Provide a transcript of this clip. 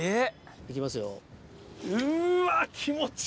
行きますよ。